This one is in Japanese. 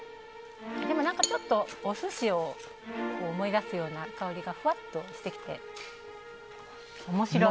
でも、お寿司を思い出すような香りがふわっとしてきて、面白い。